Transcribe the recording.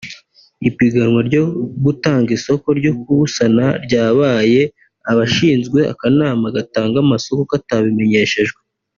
ipiganwa ryo gutanga isoko ryo kuwusana ryabaye abashinzwe akanama gatanga amasoko katabimenyeshejwe